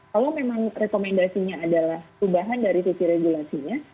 kalau memang rekomendasinya adalah perubahan dari sisi regulasinya